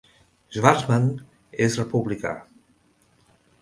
Schwarzman és republicà.